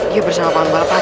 dia bersama bapak bapak